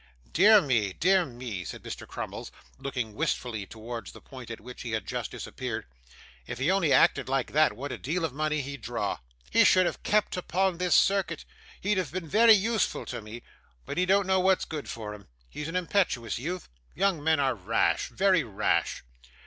'Dear me, dear me,' said Mr. Crummles, looking wistfully towards the point at which he had just disappeared; 'if he only acted like that, what a deal of money he'd draw! He should have kept upon this circuit; he'd have been very useful to me. But he don't know what's good for him. He is an impetuous youth. Young men are rash, very rash.